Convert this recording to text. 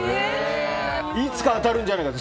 いつか当たるんじゃないかって。